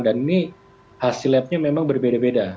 ini hasil labnya memang berbeda beda